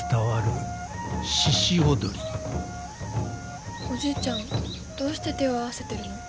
おじいちゃんどうして手を合わせてるの？